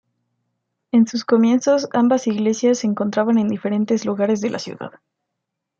En sus comienzos ambas iglesias se encontraban en diferentes lugares de la ciudad.